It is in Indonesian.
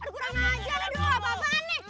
kurang ajar aduh apa apaan nih